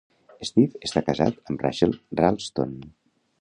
Steve està casat amb Rachel Ralston.